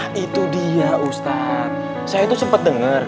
nah itu dia ustaz saya tuh sempet denger